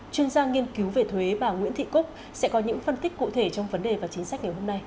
chuyên gia nghiên cứu về thuế bà nguyễn thị cúc sẽ có những phân tích cụ thể trong vấn đề và chính sách ngày hôm nay